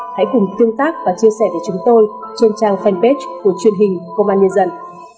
hãy cùng tương tác và chia sẻ với chúng tôi trên trang fanpage của truyền hình công an nhân dân